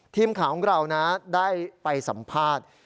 ทีมข่าวของเรานะได้ไปสัมภาษณ์